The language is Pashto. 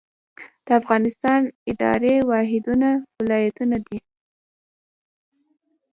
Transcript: د افغانستان اداري واحدونه ولایتونه دي